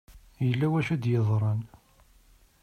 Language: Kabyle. Yella wacu i d-yeḍran.